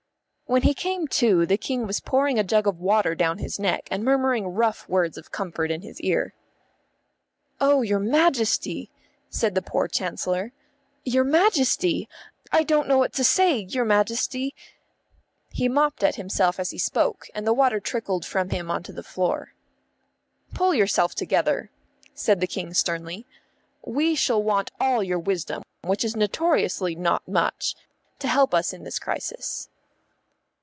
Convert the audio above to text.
... When he came to, the King was pouring a jug of water down his neck and murmuring rough words of comfort in his ear. "Oh, your Majesty," said the poor Chancellor, "your Majesty! I don't know what to say, your Majesty." He mopped at himself as he spoke, and the water trickled from him on to the floor. "Pull yourself together," said the King sternly. "We shall want all your wisdom, which is notoriously not much, to help us in this crisis."